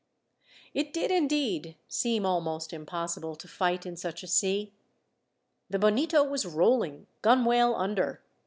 It did indeed seem almost impossible to fight in such a sea. The Bonito was rolling, gunwale under.